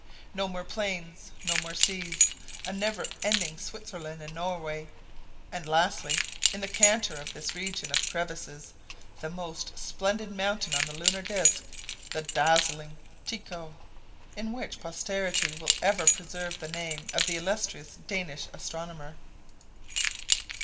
No more plains; no more seas. A never ending Switzerland and Norway. And lastly, in the canter of this region of crevasses, the most splendid mountain on the lunar disc, the dazzling Tycho, in which posterity will ever preserve the name of the illustrious Danish astronomer.